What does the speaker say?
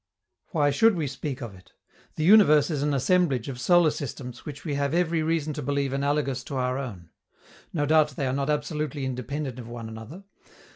Why should we speak of it? The universe is an assemblage of solar systems which we have every reason to believe analogous to our own. No doubt they are not absolutely independent of one another.